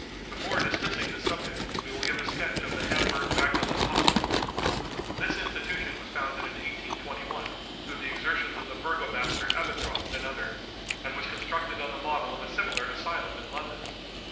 Before dismissing this subject, we will give a sketch of the HAMBURG MAGDALEN HOSPITAL. This institution was founded in 1821 through the exertions of the Burgomaster Abendroth and others, and was constructed on the model of a similar asylum in London.